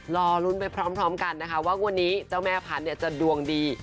รอลุ้นไปพร้อมกันนะคะว่าวันนี้เจ้าแม่พันธุ์จะดวงดี